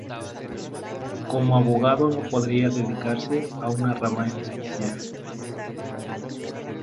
Como abogado no podría dedicarse a una rama en especial.